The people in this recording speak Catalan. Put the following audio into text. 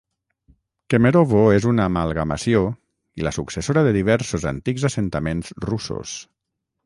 Kemerovo és una amalgamació i la successora de diversos antics assentaments russos.